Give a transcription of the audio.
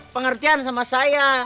pengertian sama saya